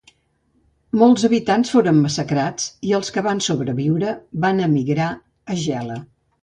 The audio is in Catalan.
Molts habitants foren massacrats i els que van sobreviure van emigrar a Gela.